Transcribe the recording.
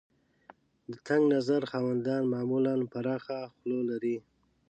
د تنګ نظر خاوندان معمولاً پراخه خوله لري.